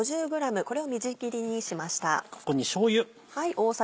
ここにしょうゆ。